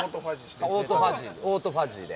オートファジーで。